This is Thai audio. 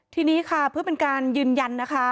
ทีนี้ค่ะเพื่อเป็นการยืนยันนะคะ